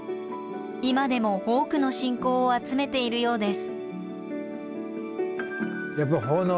今でも多くの信仰を集めているようです。